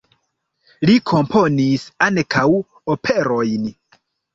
Li komponis ankaŭ operojn.